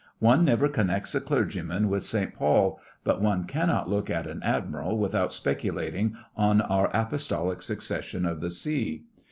One never connects a clergyman with St. Paul; but one cannot look at an Admiral without speculating on our apostolic Succession of the Sea.